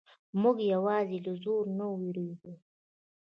موږ یوازې له زور نه وېریږو.